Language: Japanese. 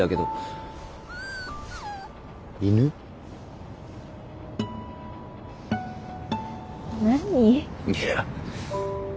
いや。